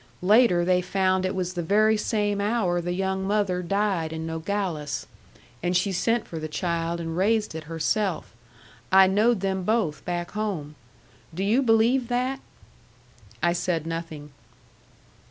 Later they found it was the very same hour the young mother died in Nogales. And she sent for the child and raised it herself. I knowed them both back home. Do you believe that?" I said nothing.